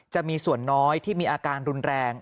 จะมีส่วนน้อยที่มีอาการรุนแรง